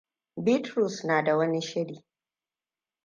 Bitrus na da wani shiri.